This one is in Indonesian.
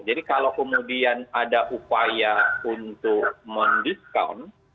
jadi kalau kemudian ada upaya untuk mendiscount